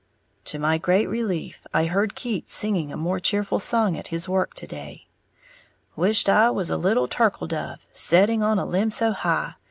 To my great relief, I heard Keats singing a more cheerful song at his work to day: Wisht I was a little turkle dove, Setting on a limb so high.